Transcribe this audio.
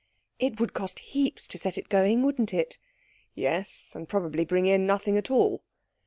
"It would cost heaps to set it going, wouldn't it?" "Yes, and probably bring in nothing at all."